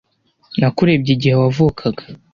Nakurebye igihe wavukaga